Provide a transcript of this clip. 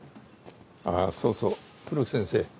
あぁそうそう黒木先生。